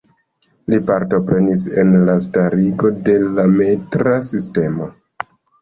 Li partoprenis en la starigo de la metra sistemo.